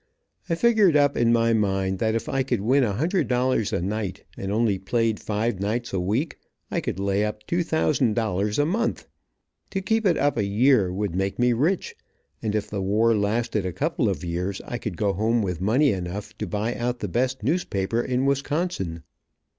I figured up in my mind that if I could win a hundred dollars a night, and only played five nights a week, I could lay up two thousand dollars a month. To keep it up a year would make me rich, and if the war lasted a couple of years I could go home with money enough to buy out the best newspaper in Wisconsin.